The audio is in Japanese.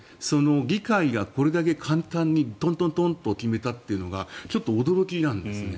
議会がこれだけ簡単にトントントンと決めたというのがちょっと驚きなんですよね。